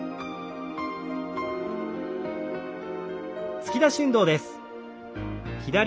突き出し運動です。